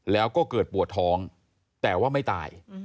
แล้วก็เกิดปวดท้องแต่ว่าไม่ตาย